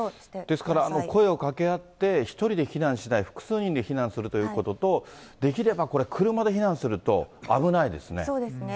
ですから、声をかけ合って、１人で避難しない、複数人で避難するということと、できれば、車で避難すると、危ないですね。